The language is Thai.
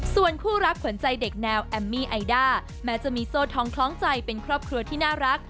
ส่วนคู่รักขวัญใจเด็กแนวแอมมี่ไอด้าแม้จะมีโซ่ทองคล้องใจเป็นครอบครัวที่น่ารัก